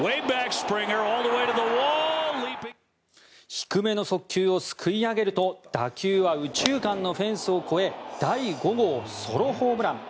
低めの速球をすくい上げると打球は右中間のフェンスを越え第５号ソロホームラン。